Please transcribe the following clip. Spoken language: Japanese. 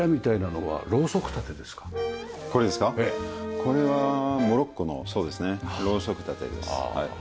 これはモロッコのそうですねろうそく立てです。